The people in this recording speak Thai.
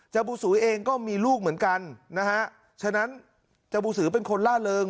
เจ้าบูสูเองก็มีลูกเหมือนกันนะฮะฉะนั้นเจ้าบูสือเป็นคนล่าเริง